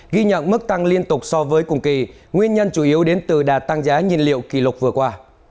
ghi nhận mức tăng liên tục so với cùng kỳ nguyên nhân chủ yếu đến từ đà tăng giá nhiên liệu kỷ lục vừa qua